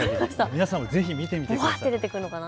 皆さんもぜひ見てみてください。